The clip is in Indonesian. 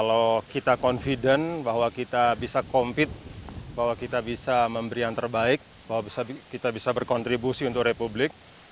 kalau kita confident bahwa kita bisa compete bahwa kita bisa memberi yang terbaik bahwa kita bisa berkontribusi untuk republik